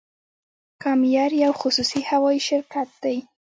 کام ایر یو خصوصي هوایی شرکت دی